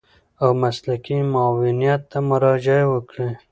او مسلکي معاونيت ته مراجعه وکړي.